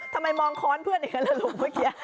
ทำไมมองค้อนเพื่อนเหมือนกันละลูก